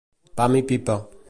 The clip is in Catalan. Pam i pipa.